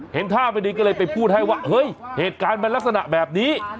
เห็นท่าไม่ดีก็เลยไปพูดให้ว่าเฮ้ยเหตุการณ์มันลักษณะแบบนี้